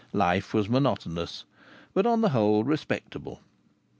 Life was monotonous, but on the whole respectable.